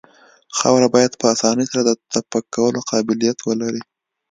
خاوره باید په اسانۍ سره د تپک کولو قابلیت ولري